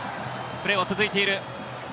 プレーは続いている。